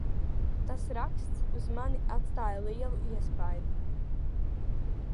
Tas raksts uz mani atstāja lielu iespaidu.